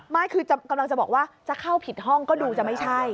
ไม่คือกำลังจะบอกว่าจะเข้าผิดห้องก็ดูจะไม่ใช่